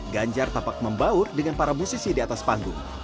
ganjar tampak membaur dengan para musisi di atas panggung